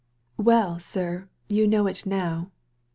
* Well, sir, you know it now."